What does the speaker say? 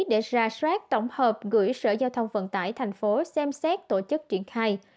để ra soát tổng hợp gửi sở giao thông vận tải tp hcm xem xét tổ chức chuyển khai